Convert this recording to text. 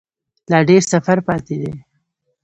لا ډیر سفر پاته دی